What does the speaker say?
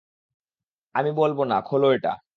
আমি বলবো না - খোল এটা!